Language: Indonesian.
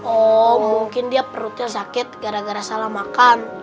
oh mungkin dia perutnya sakit gara gara salah makan